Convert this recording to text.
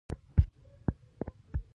د واکمنې طبقې خنډونه بل لامل دی